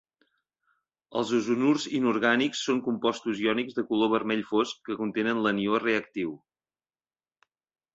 Els ozonurs inorgànics són compostos iònics de color vermell fosc que contenen l'anió reactiu.